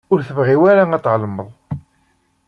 Ur tebɣi ara ad tɛelmeḍ.